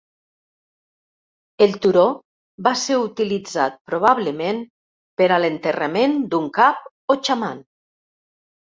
El turó va ser utilitzat probablement per a l'enterrament d'un cap o xaman.